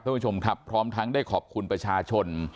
คุณผู้ชมครับพร้อมทั้งได้ขอบคุณประชาชน